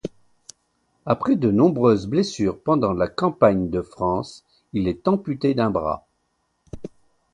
Après de nombreuses blessures pendant la campagne de France, il est amputé d'un bras.